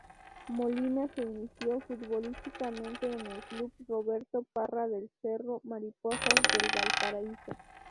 Molina se inició futbolísticamente en el club Roberto Parra del cerro Mariposas de Valparaíso.